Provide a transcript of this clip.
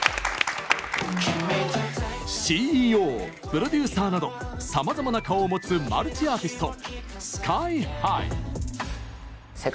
「ＣＥＯ」「プロデューサー」などさまざまな顔を持つマルチアーティスト